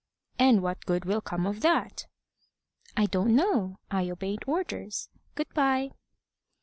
"And what good will come of that?" "I don't know. I obeyed orders. Good bye."